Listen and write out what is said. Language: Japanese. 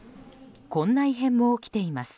こんな異変も起きています。